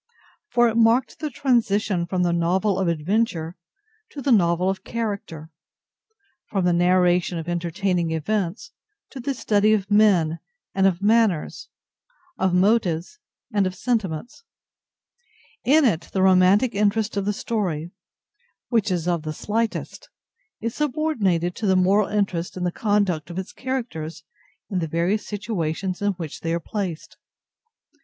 For it marked the transition from the novel of adventure to the novel of character—from the narration of entertaining events to the study of men and of manners, of motives and of sentiments. In it the romantic interest of the story (which is of the slightest) is subordinated to the moral interest in the conduct of its characters in the various situations in which they are placed.